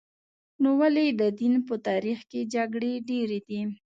نو ولې د دین په تاریخ کې جګړې ډېرې دي؟